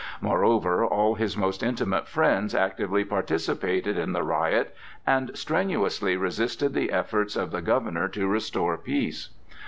Moreover all his most intimate friends actively participated in the riot and strenuously resisted the efforts of the governor to restore peace.